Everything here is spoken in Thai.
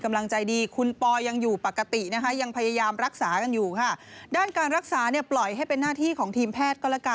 ใครชั่งลืออยากจะตีปาก